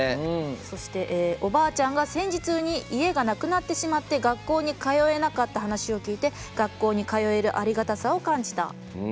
そして「おばあちゃんが戦時中に家がなくなってしまって学校に通えなかった話を聞いて学校に通えるありがたさを感じた」。